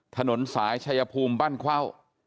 ถนนสายชายภูมิบ้านเข้า